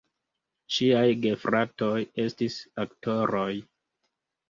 Ŝiaj gefratoj estis aktoroj.